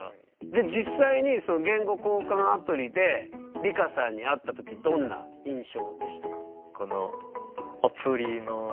で実際に言語交換アプリで梨花さんに会った時どんな印象でしたか？